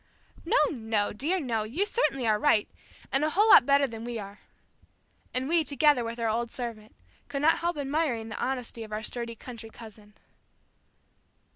"No, no, dear, no; you certainly are right, and a whole lot better than we are." And we, together with our old servant, could not help admiring the honesty of our sturdy country cousin.